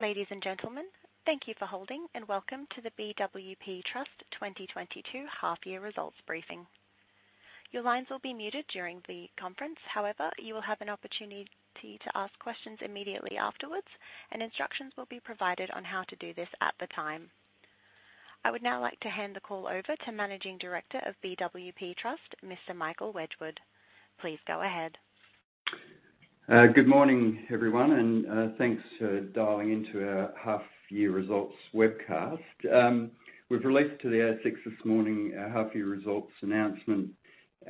Ladies and gentlemen, thank you for holding and welcome to the BWP Trust 2022 half year results briefing. Your lines will be muted during the conference. However, you will have an opportunity to ask questions immediately afterwards, and instructions will be provided on how to do this at the time. I would now like to hand the call over to Managing Director of BWP Trust, Mr. Michael Wedgwood. Please go ahead. Good morning, everyone, and thanks for dialing into our half year results webcast. We've released to the ASX this morning our half year results announcement,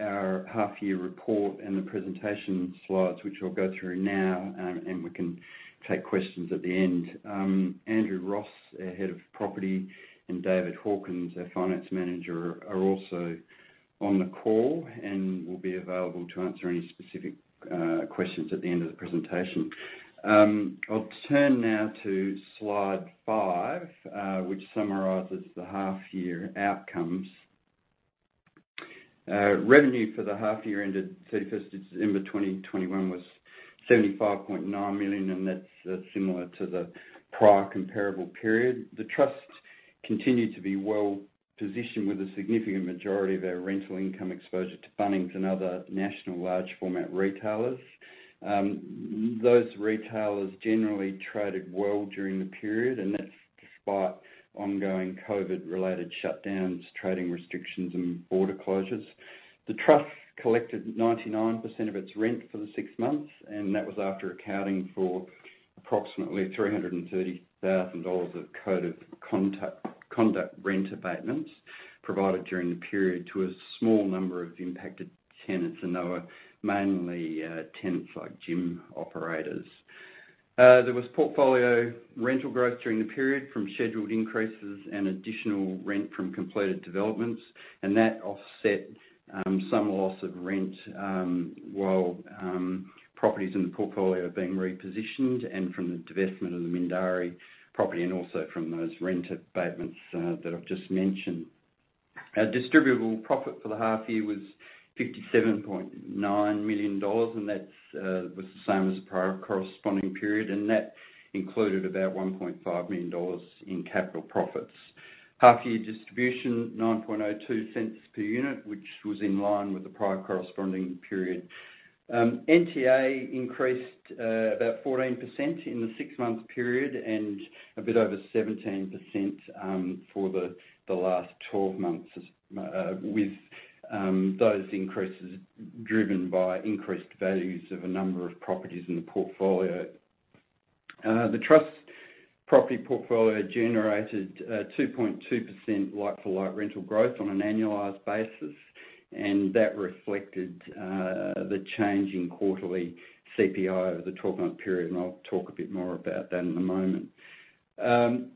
our half year report, and the presentation slides, which I'll go through now, and we can take questions at the end. Andrew Ross, our Head of Property, and David Hawkins, our Chief Financial Officer, are also on the call and will be available to answer any specific questions at the end of the presentation. I'll turn now to slide five, which summarizes the half year outcomes. Revenue for the half year ended December 31, 2021 was 75.9 million, and that's similar to the prior comparable period. The trust continued to be well-positioned with a significant majority of our rental income exposure to Bunnings and other national large format retailers. Those retailers generally traded well during the period, and that's despite ongoing COVID-related shutdowns, trading restrictions, and border closures. The trust collected 99% of its rent for the six months, and that was after accounting for approximately 330,000 dollars of COVID concessions, concession rent abatements provided during the period to a small number of impacted tenants, and they were mainly tenants like gym operators. There was portfolio rental growth during the period from scheduled increases and additional rent from completed developments, and that offset some loss of rent while properties in the portfolio are being repositioned and from the divestment of the Mindarie property and also from those rent abatements that I've just mentioned. Our distributable profit for the half year was 57.9 million dollars, and that was the same as the prior corresponding period, and that included about 1.5 million dollars in capital profits. Half year distribution, 0.0902 per unit, which was in line with the prior corresponding period. NTA increased about 14% in the six-month period and a bit over 17% for the last 12 months, as with those increases driven by increased values of a number of properties in the portfolio. The trust's property portfolio generated 2.2% like-for-like rental growth on an annualized basis, and that reflected the change in quarterly CPI over the 12-month period, and I'll talk a bit more about that in a moment.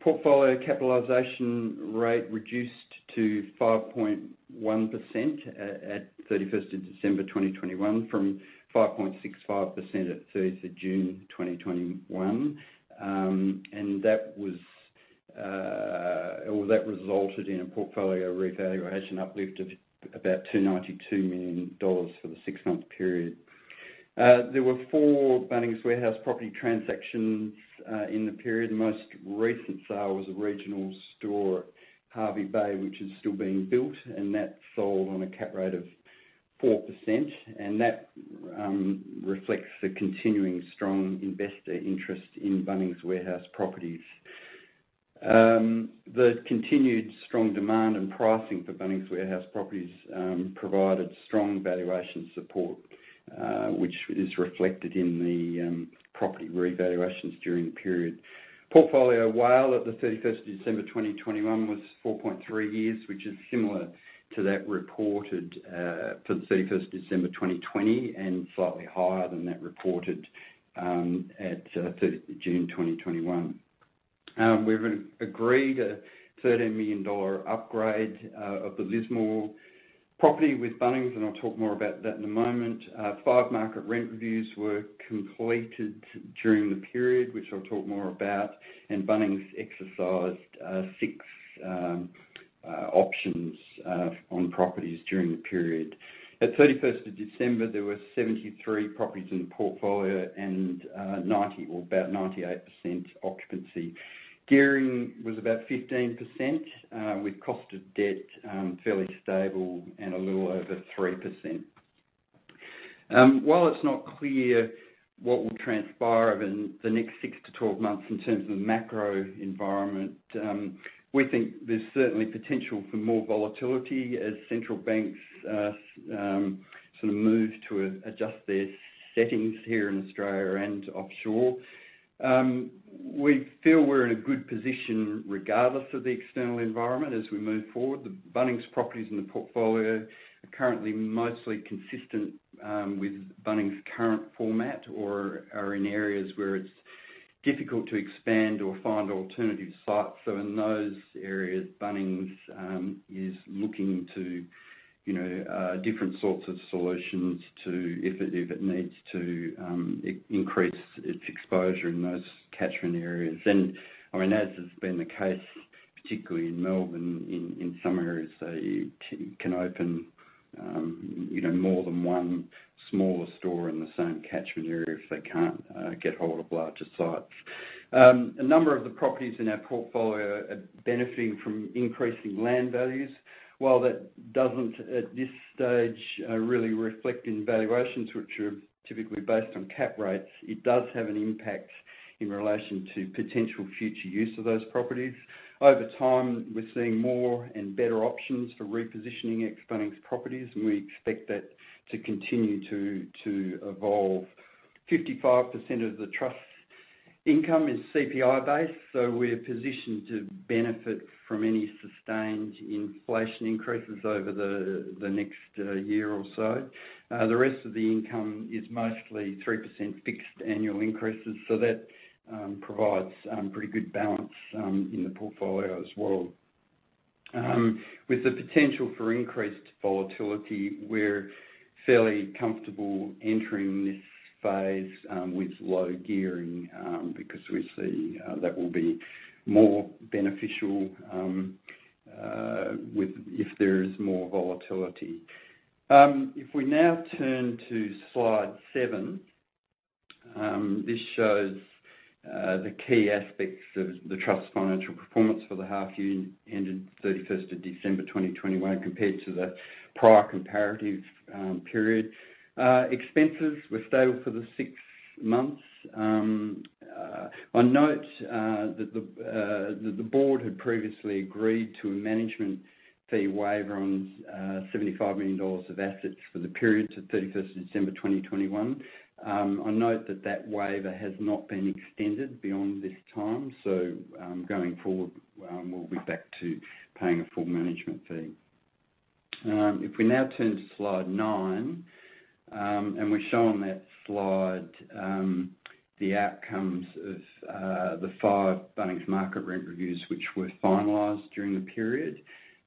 Portfolio capitalization rate reduced to 5.1% at December 31, 2021 from 5.65% at June 30, 2021. That resulted in a portfolio revaluation uplift of about 292 million dollars for the six-month period. There were four Bunnings Warehouse property transactions in the period. The most recent sale was a regional store, Hervey Bay, which is still being built, and that sold on a cap rate of 4%. That reflects the continuing strong investor interest in Bunnings Warehouse properties. The continued strong demand and pricing for Bunnings Warehouse properties provided strong valuation support, which is reflected in the property revaluations during the period. Portfolio WALE at the 31st of December 2021 was 4.3 years, which is similar to that reported for the December 31st, 2020, and slightly higher than that reported at June 30, 2021. We've agreed a 13 million dollar upgrade of the Lismore property with Bunnings, and I'll talk more about that in a moment. Five market rent reviews were completed during the period, which I'll talk more about, and Bunnings exercised six options on properties during the period. At 31st of December, there were 73 properties in the portfolio and 98% occupancy. Gearing was about 15%, with cost of debt fairly stable and a little over 3%. While it's not clear what will transpire over the next six-12 months in terms of the macro environment, we think there's certainly potential for more volatility as central banks sort of move to adjust their settings here in Australia and offshore. We feel we're in a good position regardless of the external environment as we move forward. The Bunnings properties in the portfolio are currently mostly consistent with Bunnings' current format or are in areas where it's difficult to expand or find alternative sites. In those areas, Bunnings is looking to, you know, different sorts of solutions to, if it needs to, increase its exposure in those catchment areas. I mean, as has been the case, particularly in Melbourne, in some areas, they can open more than one smaller store in the same catchment area if they can't get hold of larger sites. A number of the properties in our portfolio are benefiting from increasing land values. While that doesn't, at this stage, really reflect in valuations, which are typically based on cap rates, it does have an impact in relation to potential future use of those properties. Over time, we're seeing more and better options for repositioning ex-Bunnings properties, and we expect that to continue to evolve. 55% of the trust income is CPI-based, so we're positioned to benefit from any sustained inflation increases over the next year or so. The rest of the income is mostly 3% fixed annual increases, so that provides pretty good balance in the portfolio as well. With the potential for increased volatility, we're fairly comfortable entering this phase with low gearing because we see that will be more beneficial if there is more volatility. If we now turn to slide seven, this shows the key aspects of the trust's financial performance for the half-year ending December 31, 2021 compared to the prior comparative period. Expenses were stable for the six months. I note that the board had previously agreed to a management fee waiver on 75 million dollars of assets for the period to December 31, 2021. I note that waiver has not been extended beyond this time, so, going forward, we'll be back to paying a full management fee. If we now turn to slide nine, and we show on that slide, the outcomes of the five Bunnings market rent reviews which were finalized during the period.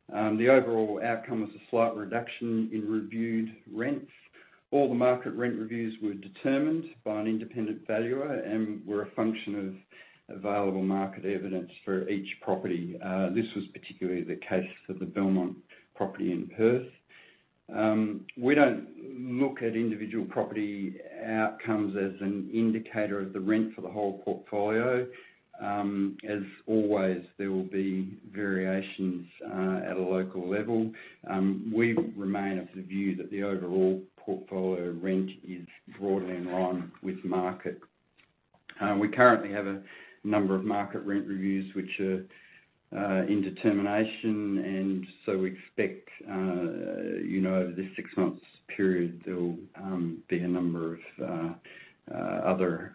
The overall outcome was a slight reduction in reviewed rents. All the market rent reviews were determined by an independent valuer and were a function of available market evidence for each property. This was particularly the case for the Belmont property in Perth. We don't look at individual property outcomes as an indicator of the rent for the whole portfolio. As always, there will be variations at a local level. We remain of the view that the overall portfolio rent is broadly in line with market. We currently have a number of market rent reviews which are in determination, and so we expect, you know, over this six-month period, there will be a number of other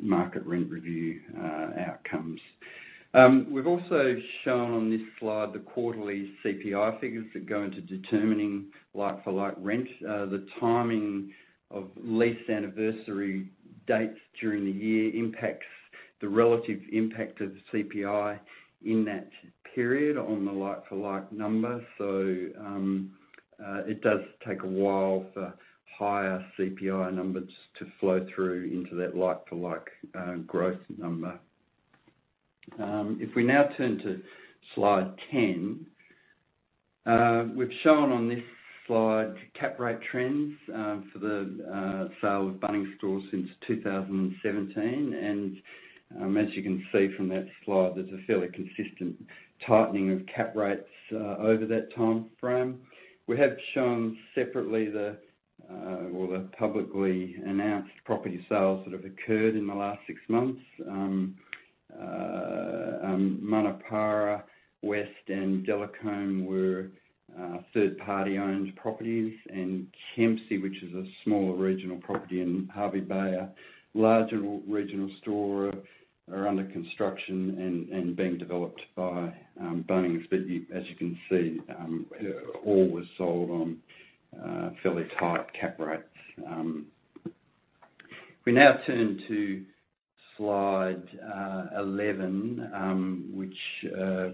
market rent review outcomes. We've also shown on this slide the quarterly CPI figures that go into determining like-for-like rent. The timing of lease anniversary dates during the year impacts the relative impact of CPI in that period on the like-for-like number. It does take a while for higher CPI numbers to flow through into that like-for-like growth number. If we now turn to slide 10, we've shown on this slide cap rate trends for the sale of Bunnings stores since 2017. As you can see from that slide, there's a fairly consistent tightening of cap rates over that timeframe. We have shown separately the publicly announced property sales that have occurred in the last six months. Manapara, West and Delacombe were third-party owned properties, and Kempsey, which is a smaller regional property, and Hervey Bay, a larger regional store, are under construction and being developed by Bunnings. As you can see, all were sold on fairly tight cap rates. If we now turn to slide 11, which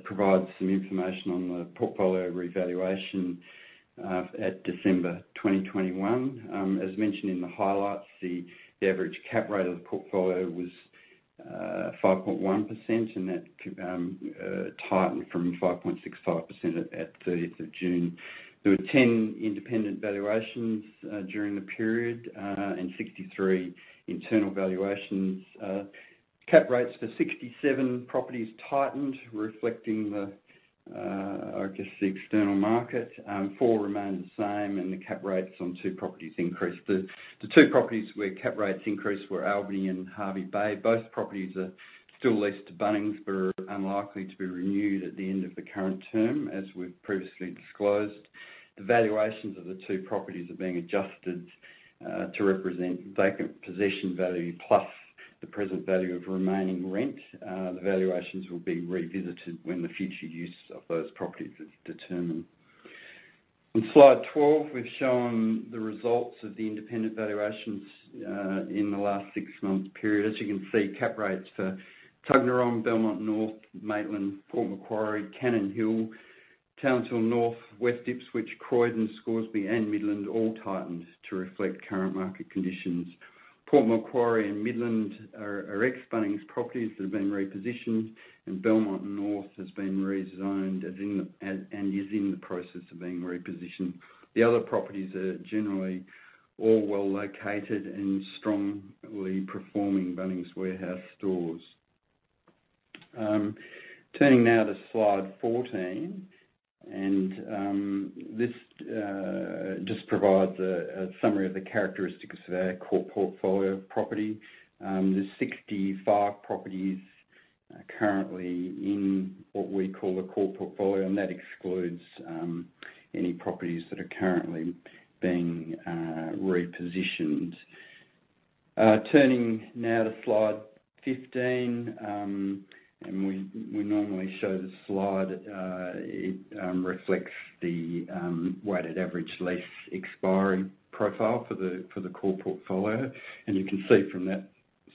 provides some information on the portfolio revaluation at December 2021. As mentioned in the highlights, the average cap rate of the portfolio was 5.1%, and that tightened from 5.65% at June 30th. There were 10 independent valuations during the period and 63 internal valuations. Cap rates for 67 properties tightened, reflecting, I guess, the external market. Four remained the same, and the cap rates on two properties increased. The two properties where cap rates increased were Albany and Hervey Bay. Both properties are still leased to Bunnings, but are unlikely to be renewed at the end of the current term, as we've previously disclosed. The valuations of the two properties are being adjusted to represent vacant possession value plus the present value of remaining rent. The valuations will be revisited when the future use of those properties is determined. On Slide 12, we've shown the results of the independent valuations in the last six-month period. As you can see, cap rates for Tuggeranong, Belmont North, Maitland, Port Macquarie, Cannon Hill, Townsville North, West Ipswich, Croydon, Scoresby, and Midland all tightened to reflect current market conditions. Port Macquarie and Midland are ex-Bunnings properties that have been repositioned, and Belmont North has been redesigned and is in the process of being repositioned. The other properties are generally all well-located and strongly performing Bunnings Warehouse stores. Turning now to Slide 14, this just provides a summary of the characteristics of our core portfolio property. There's 65 properties currently in what we call the core portfolio, and that excludes any properties that are currently being repositioned. Turning now to slide 15, we normally show this slide. It reflects the weighted average lease expiry profile for the core portfolio. You can see from that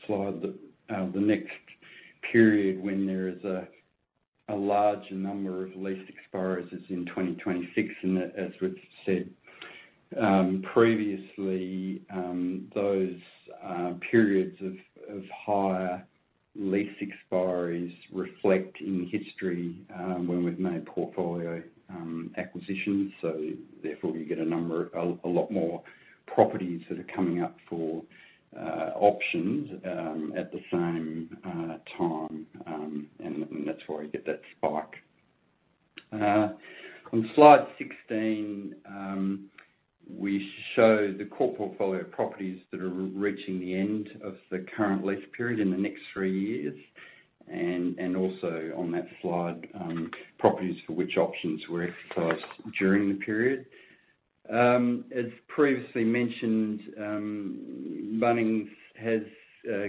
slide that the next period when there is a large number of lease expiries is in 2026. As we've said previously, those periods of higher lease expiries reflect in history when we've made portfolio acquisitions. Therefore, you get a lot more properties that are coming up for options at the same time, and that's why you get that spike. On slide 16, we show the core portfolio properties that are reaching the end of the current lease period in the next three years, and also on that slide, properties for which options were exercised during the period. As previously mentioned, Bunnings has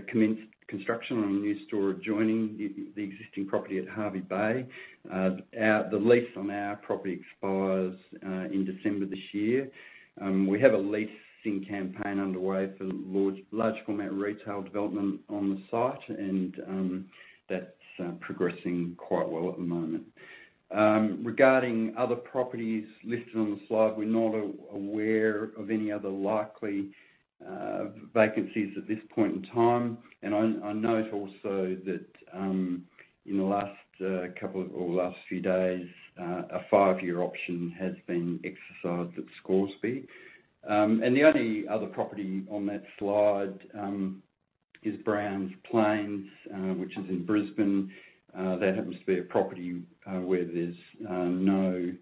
commenced construction on a new store adjoining the existing property at Hervey Bay. The lease on our property expires in December this year. We have a leasing campaign underway for large-format retail development on the site, and that's progressing quite well at the moment. Regarding other properties listed on the slide, we're not aware of any other likely vacancies at this point in time. I note also that in the last few days, a five-year option has been exercised at Scoresby. The only other property on that slide is Browns Plains, which is in Brisbane. That happens to be a property where there's no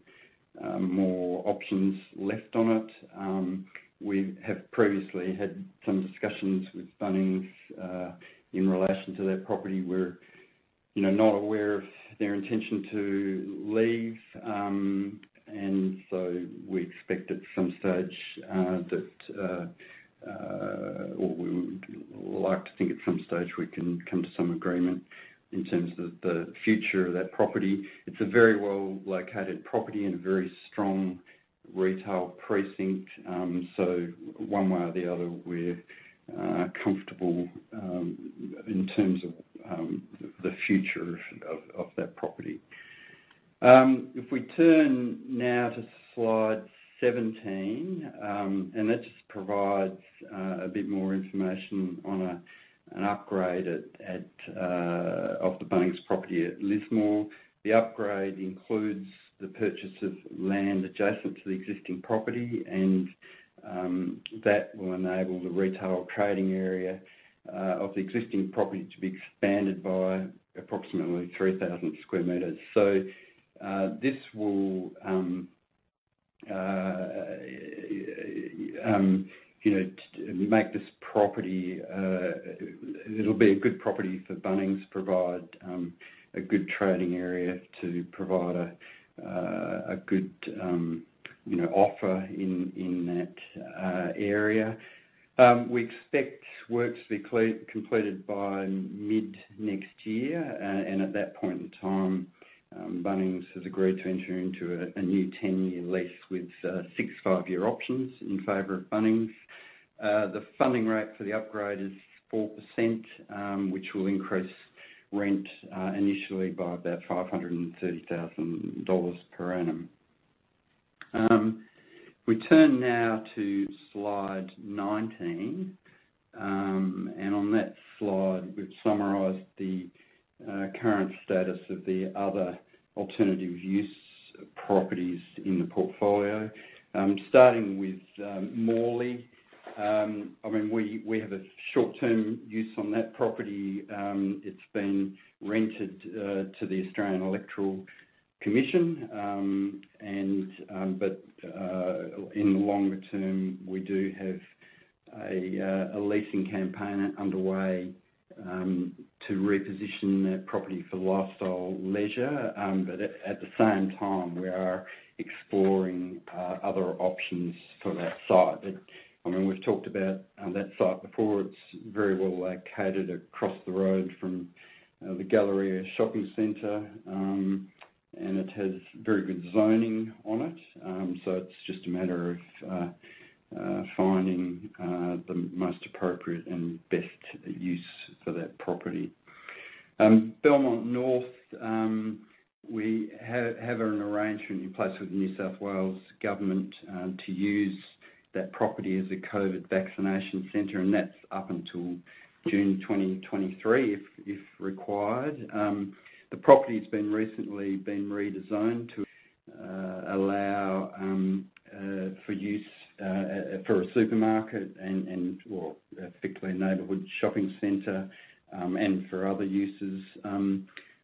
more options left on it. We have previously had some discussions with Bunnings in relation to that property. We're, you know, not aware of their intention to leave. We expect at some stage or we would like to think at some stage we can come to some agreement in terms of the future of that property. It's a very well-located property and a very strong retail precinct. One way or the other, we're comfortable in terms of the future of that property. If we turn now to slide 17, and that just provides a bit more information on an upgrade of the Bunnings property at Lismore. The upgrade includes the purchase of land adjacent to the existing property, and that will enable the retail trading area of the existing property to be expanded by approximately 3,000 sq m. It'll be a good property for Bunnings, provide a good trading area to provide a good, you know, offer in that area. We expect work to be completed by mid next year. At that point in time, Bunnings has agreed to enter into a new 10-year lease with six, five-year options in favor of Bunnings. The funding rate for the upgrade is 4%, which will increase rent initially by about 530,000 dollars per annum. We turn now to slide 19. On that slide, we've summarized the current status of the other alternative use properties in the portfolio. Starting with Morley. I mean, we have a short-term use on that property. It's been rented to the Australian Electoral Commission, but in the longer term, we do have a leasing campaign underway to reposition that property for lifestyle leisure. At the same time, we are exploring other options for that site. I mean, we've talked about that site before. It's very well located across the road from the Galleria Shopping Center, and it has very good zoning on it. It's just a matter of finding the most appropriate and best use for that property. Belmont North, we have an arrangement in place with New South Wales Government to use that property as a COVID vaccination center, and that's up until June 2023 if required. The property's been recently redesigned to allow for use for a supermarket or effectively a neighborhood shopping center, and for other uses.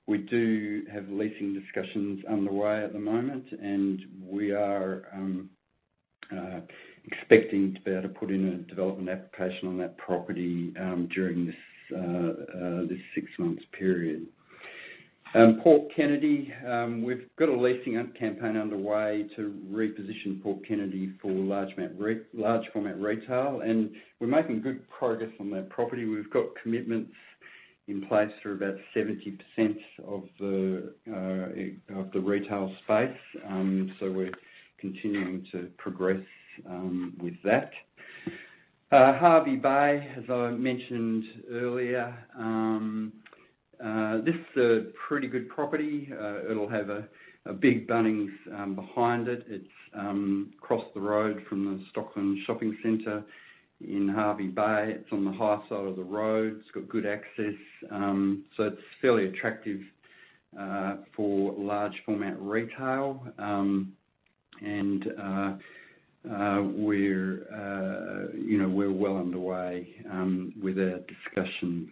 We do have leasing discussions underway at the moment, and we are expecting to be able to put in a development application on that property during this six months period. Port Kennedy, we've got a leasing campaign underway to reposition Port Kennedy for large format retail, and we're making good progress on that property. We've got commitments in place for about 70% of the retail space. We're continuing to progress with that. Hervey Bay, as I mentioned earlier, this is a pretty good property. It'll have a big Bunnings behind it. It's across the road from the Stockland Shopping Center in Hervey Bay. It's on the high side of the road. It's got good access. It's fairly attractive for large format retail. You know, we're well underway with our discussions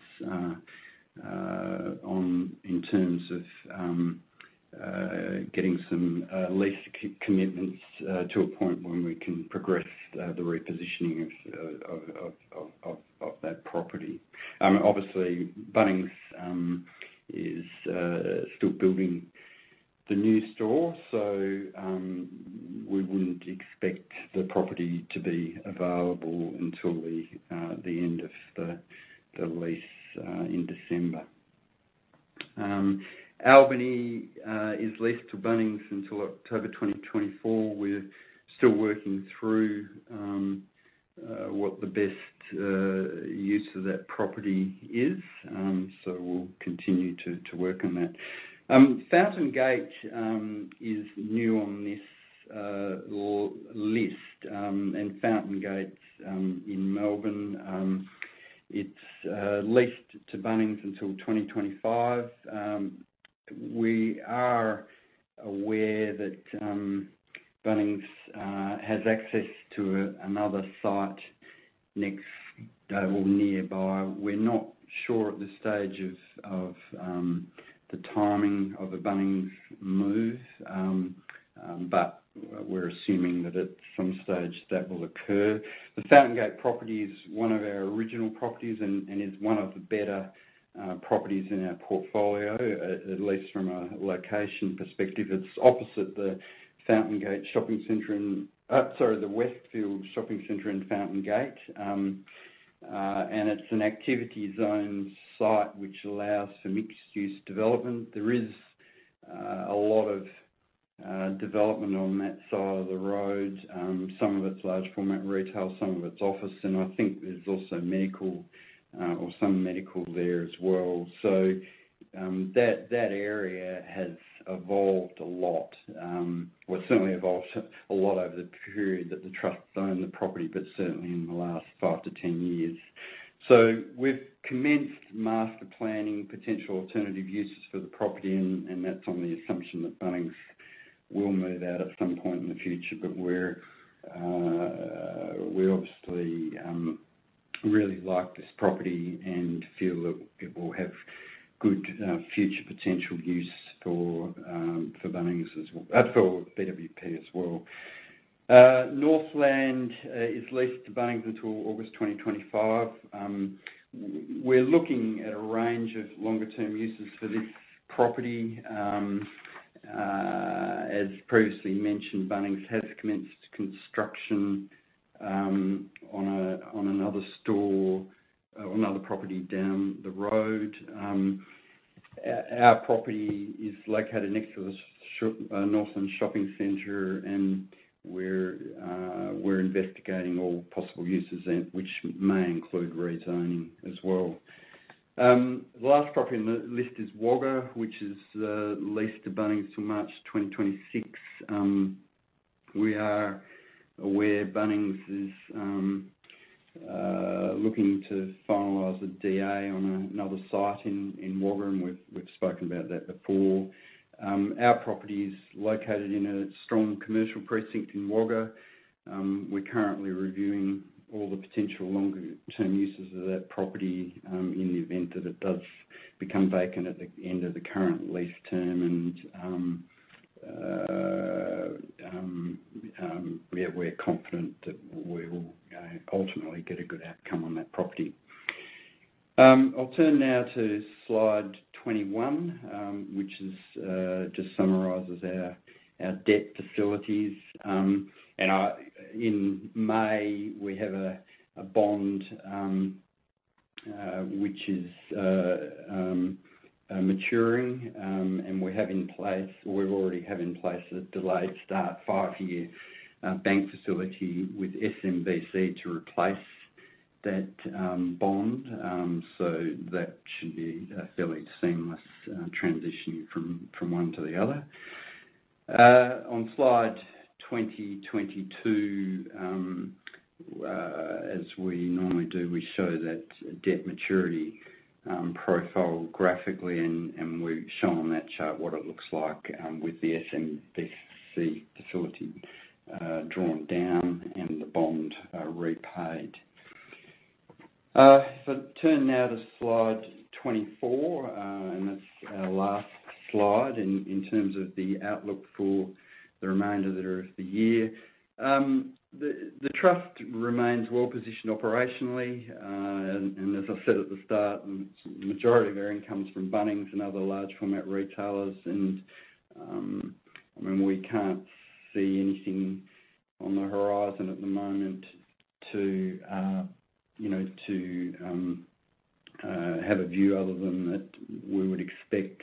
on, in terms of, getting some lease commitments to a point where we can progress the repositioning of that property. Obviously, Bunnings is still building the new store, so we wouldn't expect the property to be available until the end of the lease in December. Albany is leased to Bunnings until October 2024. We're still working through what the best use of that property is. We'll continue to work on that. Fountain Gate is new on this list, and Fountain Gate in Melbourne, it's leased to Bunnings until 2025. We are aware that Bunnings has access to another site next door or nearby. We're not sure at this stage of the timing of the Bunnings move, but we're assuming that at some stage that will occur. The Fountain Gate property is one of our original properties and is one of the better properties in our portfolio, at least from a location perspective. It's opposite the Westfield Shopping Center in Fountain Gate. It's an activity zone site which allows for mixed-use development. There is a lot of development on that side of the road. Some of it's large format retail, some of it's office, and I think there's also medical or some medical there as well. That area has evolved a lot or certainly evolved a lot over the period that the Trust owned the property, but certainly in the last five-10 years. We've commenced master planning potential alternative uses for the property, and that's on the assumption that Bunnings will move out at some point in the future. We obviously really like this property and feel that it will have good future potential use for Bunnings for BWP as well. Northland is leased to Bunnings until August 2025. We're looking at a range of longer term uses for this property. As previously mentioned, Bunnings has commenced construction on another store, another property down the road. Our property is located next to the Northland Shopping Center, and we're investigating all possible uses then, which may include rezoning as well. The last property in the list is Wagga, which is leased to Bunnings till March 2026. We are aware Bunnings is looking to finalize a DA on another site in Wagga, and we've spoken about that before. Our property is located in a strong commercial precinct in Wagga. We're currently reviewing all the potential longer term uses of that property in the event that it does become vacant at the end of the current lease term. We're confident that we will ultimately get a good outcome on that property. I'll turn now to slide 21, which just summarizes our debt facilities. In May, we have a bond which is maturing, and we already have in place a delayed start, five-year bank facility with SMBC to replace that bond. So that should be a fairly seamless transition from one to the other. On slide 22, as we normally do, we show that debt maturity profile graphically, and we've shown on that chart what it looks like with the SMBC facility drawn down and the bond repaid. If I turn now to slide 24, that's our last slide in terms of the outlook for the remainder of the year. The Trust remains well-positioned operationally, and as I said at the start, the majority of our income's from Bunnings and other large format retailers. I mean, we can't see anything on the horizon at the moment to you know have a view other than that we would expect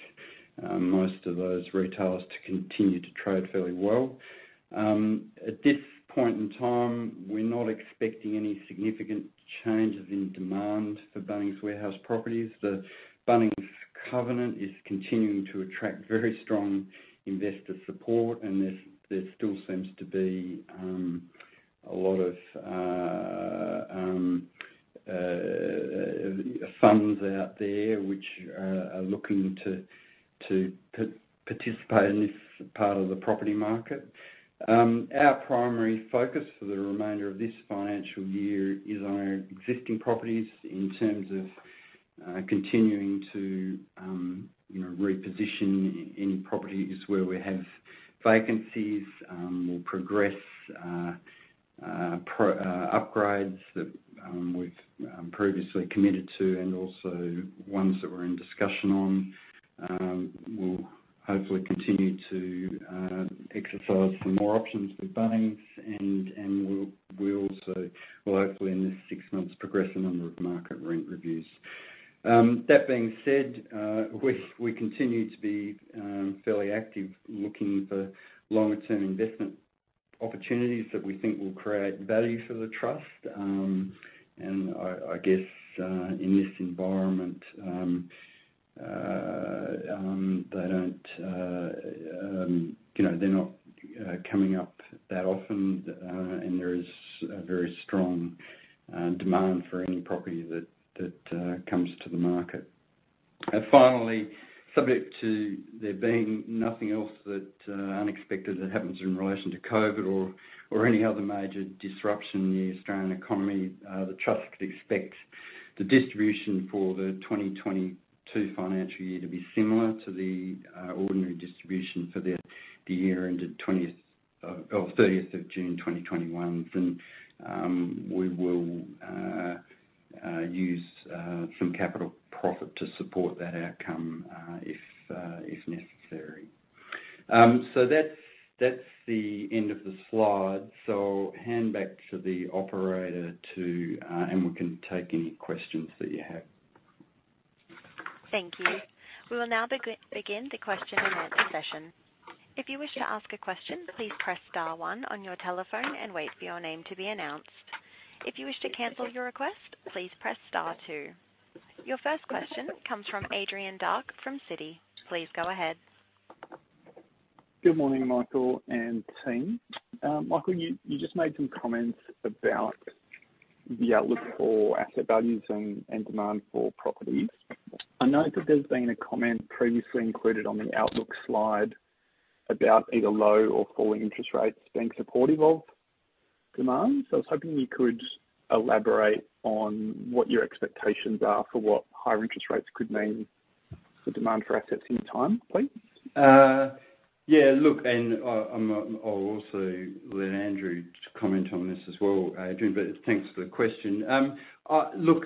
most of those retailers to continue to trade fairly well. At this point in time, we're not expecting any significant changes in demand for Bunnings Warehouse properties. The Bunnings covenant is continuing to attract very strong investor support, and there still seems to be a lot of funds out there which are looking to participate in this part of the property market. Our primary focus for the remainder of this financial year is on our existing properties in terms of continuing to, you know, reposition any properties where we have vacancies or progress upgrades that we've previously committed to and also ones that we're in discussion on. We'll hopefully continue to exercise some more options with Bunnings and we'll also hopefully in this six months progress a number of market rent reviews. That being said, we continue to be fairly active looking for longer-term investment opportunities that we think will create value for the Trust. I guess in this environment they don't, you know, they're not coming up that often, and there is a very strong demand for any property that comes to the market. Finally, subject to there being nothing else unexpected that happens in relation to COVID or any other major disruption in the Australian economy, the Trust could expect the distribution for the 2022 financial year to be similar to the ordinary distribution for the year ended June 30, 2021. We will use some capital profit to support that outcome, if necessary. That's the end of the slides. I'll hand back to the operator and we can take any questions that you have. Thank you. We will now begin the question and answer session. If you wish to ask a question, please press star one on your telephone and wait for your name to be announced. If you wish to cancel your request, please press star two. Your first question comes from Adrian Dark from Citi. Please go ahead. Good morning, Michael and team. Michael, you just made some comments about the outlook for asset values and demand for properties. I noticed that there's been a comment previously included on the outlook slide about either low or falling interest rates being supportive of demand. I was hoping you could elaborate on what your expectations are for what higher interest rates could mean for demand for assets at any time, please. Yeah, look, I'll also let Andrew comment on this as well, Adrian, but thanks for the question. Look,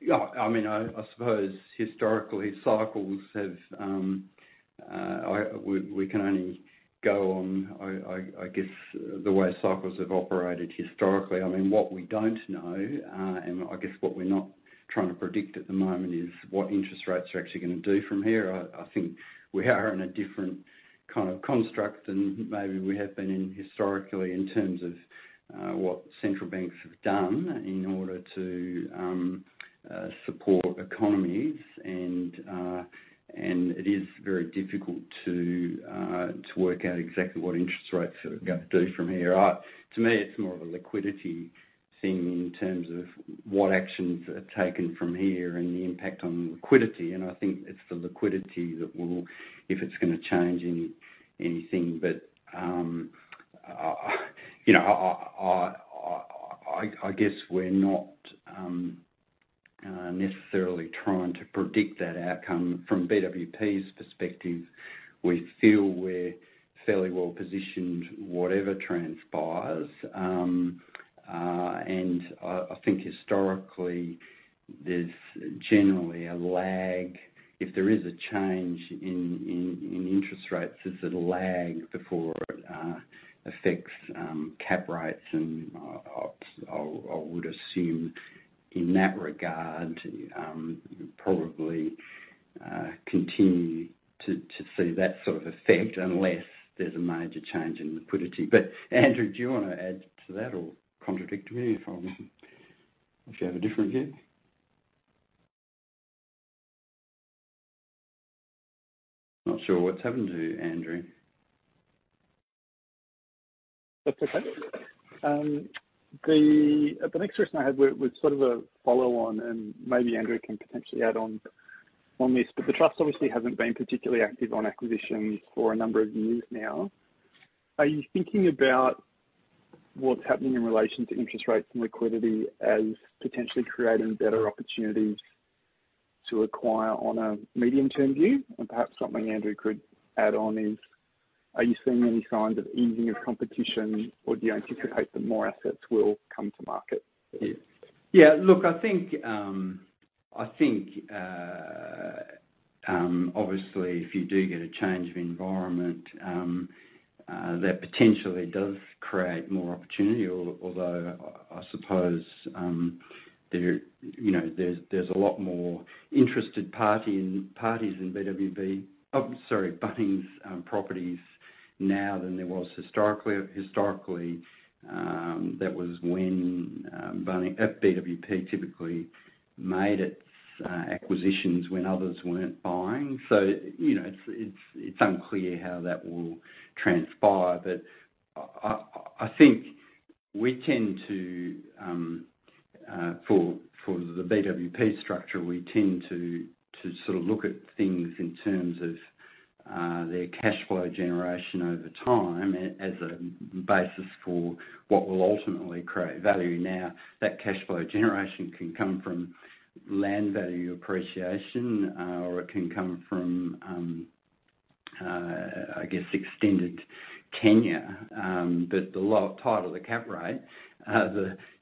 yeah, I mean, I suppose historically, cycles have we can only go on, I guess, the way cycles have operated historically. I mean, what we don't know and I guess what we're not trying to predict at the moment is what interest rates are actually gonna do from here. I think we are in a different kind of construct than maybe we have been in historically in terms of what central banks have done in order to support economies. It is very difficult to work out exactly what interest rates are gonna do from here. To me, it's more of a liquidity thing in terms of what actions are taken from here and the impact on liquidity, and I think it's the liquidity that will if it's gonna change anything. I guess we're not necessarily trying to predict that outcome from BWP's perspective. We feel we're fairly well positioned whatever transpires. I think historically, there's generally a lag. If there is a change in interest rates, there's a lag before it affects cap rates and I would assume in that regard, probably continue to see that sort of effect unless there's a major change in liquidity. Andrew, do you wanna add to that or contradict me if you have a different view? Not sure what's happened to Andrew. That's okay. The next question I had was sort of a follow on, and maybe Andrew can potentially add on this. The trust obviously hasn't been particularly active on acquisitions for a number of years now. Are you thinking about what's happening in relation to interest rates and liquidity as potentially creating better opportunities to acquire on a medium-term view? Perhaps something Andrew could add on is, are you seeing any signs of easing of competition, or do you anticipate that more assets will come to market? Yeah. Yeah, look, I think, obviously if you do get a change of environment, that potentially does create more opportunity, although I suppose, you know, there's a lot more interested parties in BWP. Sorry, Bunnings, properties now than there was historically. Historically, that was when, BWP typically made its, acquisitions when others weren't buying. You know, it's unclear how that will transpire. I think we tend to, for the BWP structure, we tend to sort of look at things in terms of, their cash flow generation over time as a basis for what will ultimately create value. Now, that cash flow generation can come from land value appreciation, or it can come from, I guess, extended tenure. Tighter the cap rate,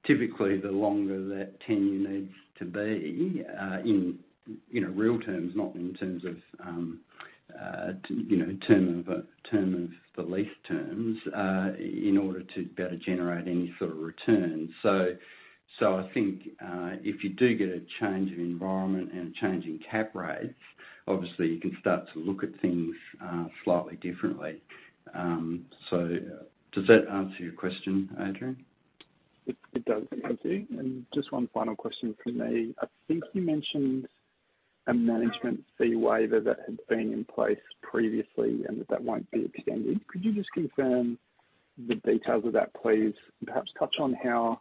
typically the longer that tenure needs to be, in real terms, not in terms of term of the lease terms, in order to be able to generate any sort of return. I think if you do get a change in environment and a change in cap rates, obviously you can start to look at things slightly differently. Does that answer your question, Adrian? It does, thank you. Just one final question from me. I think you mentioned a management fee waiver that had been in place previously and that won't be extended. Could you just confirm the details of that, please? Perhaps touch on how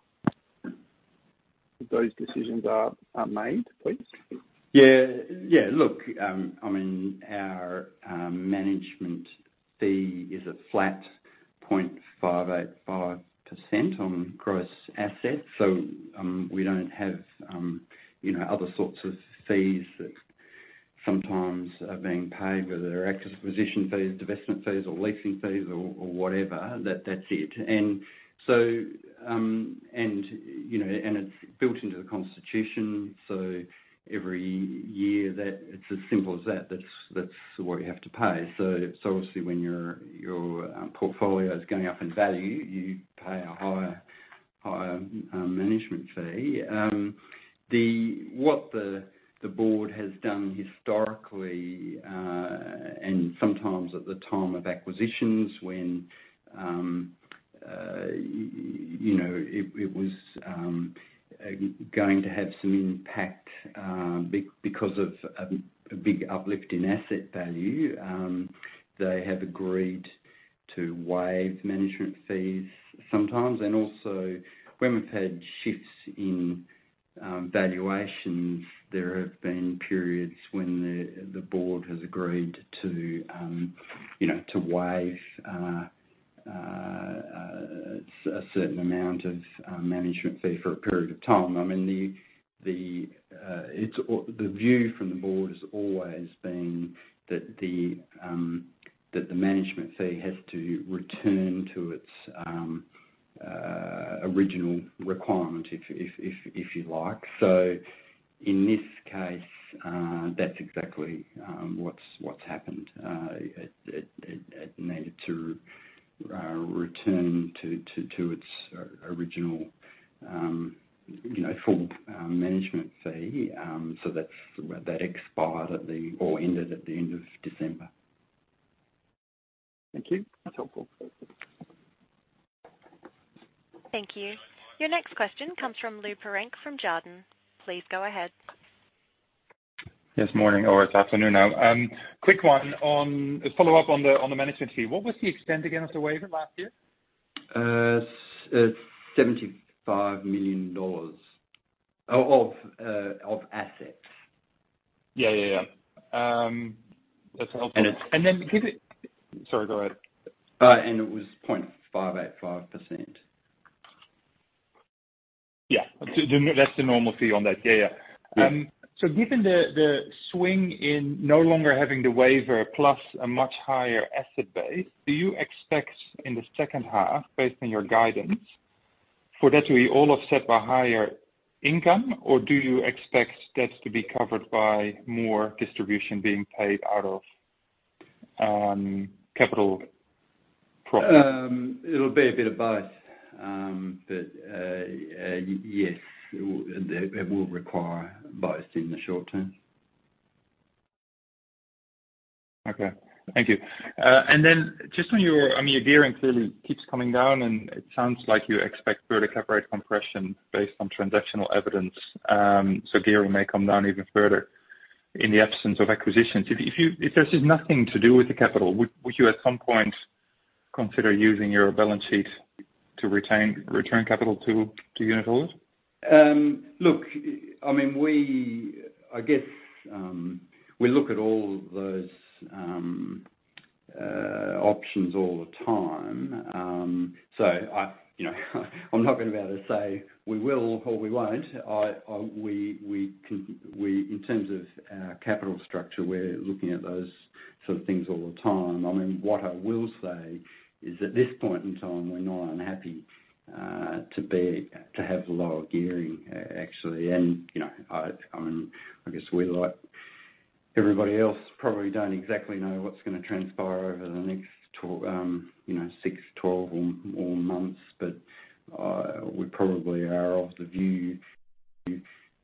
those decisions are made, please. Yeah, look, I mean, our management fee is a flat 0.585% on gross assets. We don't have, you know, other sorts of fees that sometimes are being paid, whether they're acquisition fees, divestment fees or leasing fees or whatever. That's it. It's built into the constitution, so every year it's as simple as that. That's what you have to pay. Obviously when your portfolio is going up in value, you pay a higher management fee. The board has done historically, and sometimes at the time of acquisitions when, you know, it was going to have some impact because of a big uplift in asset value, they have agreed to waive management fees sometimes. Also when we've had shifts in valuations, there have been periods when the board has agreed to, you know, to waive a certain amount of management fee for a period of time. I mean, the view from the board has always been that the management fee has to return to its original requirement, if you like. In this case, that's exactly what's happened. It needed to return to its original, you know, full management fee. That's that expired or ended at the end of December. Thank you. That's helpful. Thank you. Your next question comes from Lou Pirenc from Jarden. Please go ahead. Yes, morning. Or it's afternoon now. Quick one on a follow-up on the management fee. What was the extent again of the waiver last year? It's AUD 75 million of assets. Yeah, yeah. That's helpful. It's. Sorry, go ahead. It was 0.585%. Yeah. That's the normal fee on that. Yeah, yeah. Yeah. Given the swing in no longer having the waiver plus a much higher asset base, do you expect in the second half, based on your guidance, for that to be all offset by higher income, or do you expect debts to be covered by more distribution being paid out of capital profit? It'll be a bit of both. Yes, it will require both in the short term. Okay. Thank you. Just on your, I mean, your gearing clearly keeps coming down, and it sounds like you expect further cap rate compression based on transactional evidence, so gearing may come down even further in the absence of acquisitions. If this is nothing to do with the capital, would you at some point consider using your balance sheet to return capital to unitholders? Look, I mean, we—I guess we look at all those options all the time. I, you know, I'm not gonna be able to say we will or we won't. In terms of our capital structure, we're looking at those sort of things all the time. I mean, what I will say is, at this point in time, we're not unhappy to have lower gearing actually. You know, I mean, I guess we, like everybody else, probably don't exactly know what's gonna transpire over the next two, you know, six, 12 or more months. We probably are of the view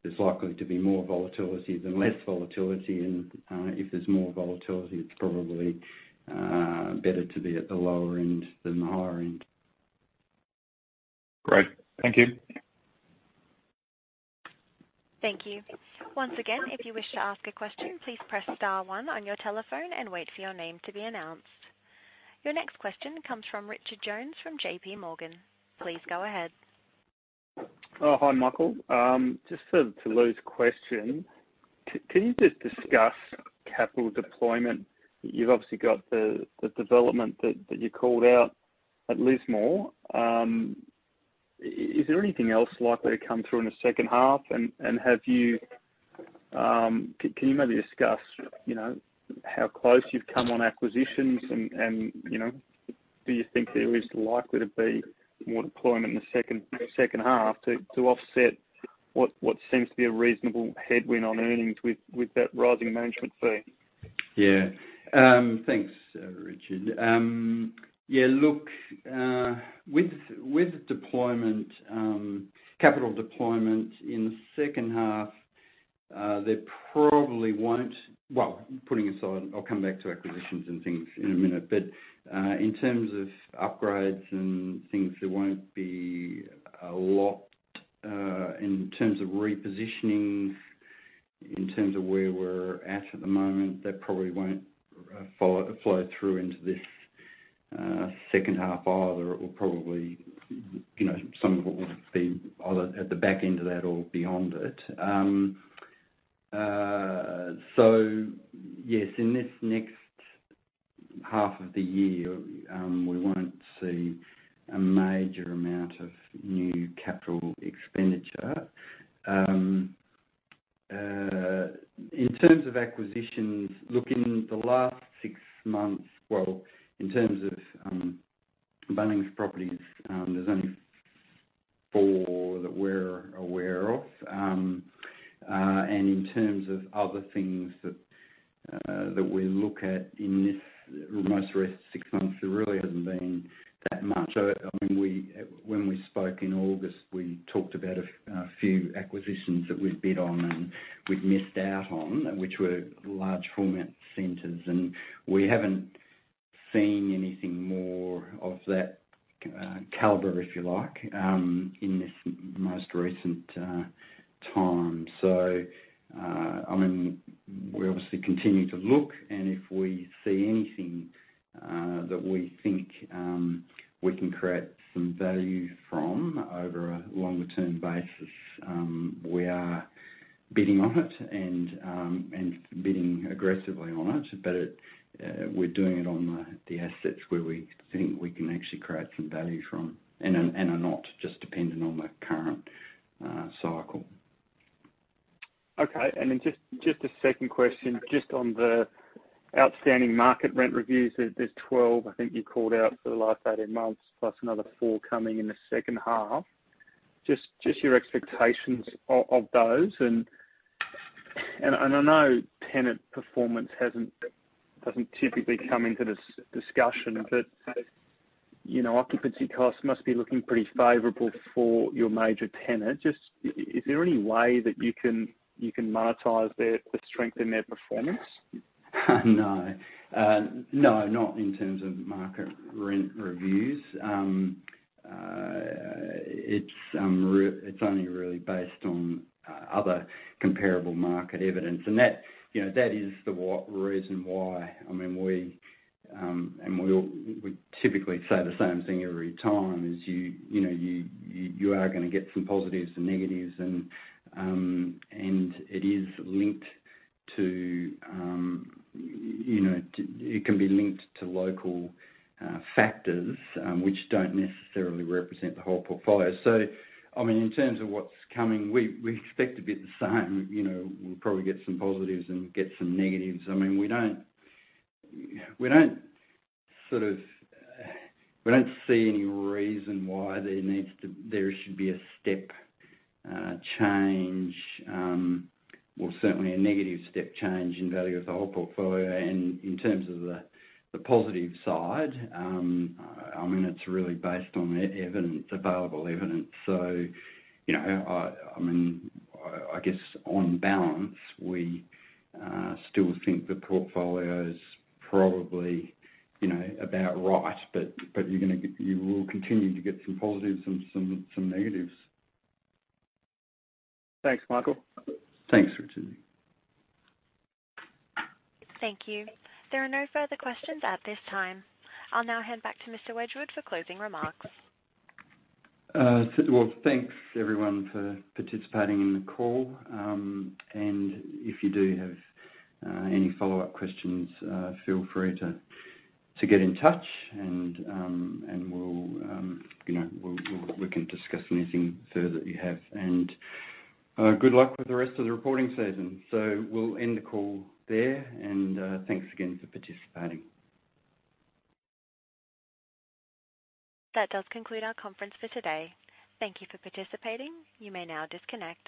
there's likely to be more volatility than less volatility. If there's more volatility, it's probably better to be at the lower end than the higher end. Great. Thank you. Thank you. Once again, if you wish to ask a question, please press star one on your telephone and wait for your name to be announced. Your next question comes from Richard Jones from JPMorgan. Please go ahead. Oh, hi, Michael. Just to Lou's question, can you just discuss capital deployment? You've obviously got the development that you called out at Lismore. Is there anything else likely to come through in the second half? Can you maybe discuss, you know, how close you've come on acquisitions and, you know, do you think there is likely to be more deployment in the second half to offset what seems to be a reasonable headwind on earnings with that rising management fee? Yeah. Thanks, Richard. Yeah, look, with capital deployment in the second half, there probably won't. Well, putting aside, I'll come back to acquisitions and things in a minute. In terms of upgrades and things, there won't be a lot in terms of repositioning, in terms of where we're at at the moment. That probably won't flow through into this second half either. It will probably, you know, some of it will be either at the back end of that or beyond it. Yes, in this next half of the year, we wouldn't see a major amount of new capital expenditure. In terms of acquisitions, look, in the last six months. monetize the strength in their performance? No, not in terms of market rent reviews. It's only really based on other comparable market evidence. That, you know, that is the reason why, I mean, we typically say the same thing every time, you know, you are gonna get some positives and negatives, and it is linked to, you know. It can be linked to local factors, which don't necessarily represent the whole portfolio. I mean, in terms of what's coming, we expect to be the same. You know, we'll probably get some positives and get some negatives. I mean, we don't see any reason why there should be a step change, or certainly a negative step change in value of the whole portfolio. In terms of the positive side, I mean, it's really based on evidence, available evidence. You know, I mean, I guess on balance, we still think the portfolio is probably, you know, about right, but you will continue to get some positives and some negatives. Thanks, Michael. Thanks, Richard. Thank you. There are no further questions at this time. I'll now hand back to Mr. Wedgwood for closing remarks. Well, thanks, everyone, for participating in the call. If you do have any follow-up questions, feel free to get in touch and we'll, you know, we can discuss anything further that you have. Good luck with the rest of the reporting season. We'll end the call there. Thanks again for participating. That does conclude our conference for today. Thank you for participating. You may now disconnect.